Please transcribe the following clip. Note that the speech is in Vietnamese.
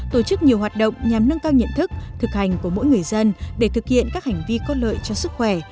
tổ chức nhiều hoạt động nhằm nâng cao nhận thức thực hành của mỗi người dân để thực hiện các hành vi có lợi cho sức khỏe